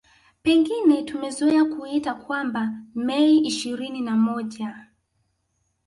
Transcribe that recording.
Pengine tumezoea kuita kwamba Mei ishirini na moja